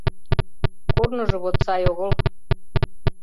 — Корныжо вот сай огыл...